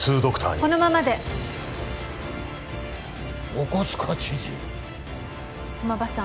このままで赤塚知事駒場さん